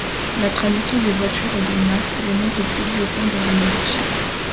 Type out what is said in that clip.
La tradition des voitures de masques remonte aux plus vieux temps de la monarchie.